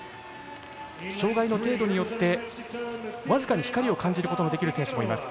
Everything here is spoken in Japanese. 障がいの程度によって僅かに光を感じることのできる選手もいます。